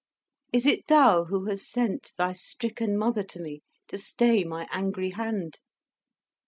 Is it thou who hast sent thy stricken mother to me, to stay my angry hand?